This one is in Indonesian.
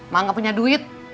mak nggak punya duit